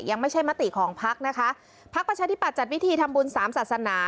ยังไม่ใช่มติของพักนะคะพักประชาธิบัตย์จัดวิธีทำบุญสามศาสนา